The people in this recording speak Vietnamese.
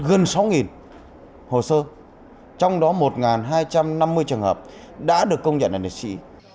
chúng ta đã giải quyết gần sáu hồ sơ trong đó một hai trăm năm mươi trường hợp đã được công nhận là liệt sĩ